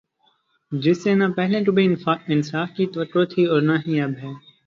جس سے نا پہلے کبھی انصاف کی توقع تھی اور نا ہی اب ہے